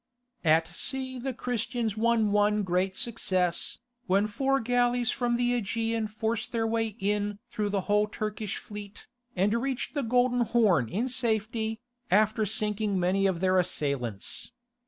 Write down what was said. At sea the Christians won one great success, when four galleys from the Aegean forced their way in through the whole Turkish fleet, and reached the Golden Horn in safety, after sinking many of their assailants.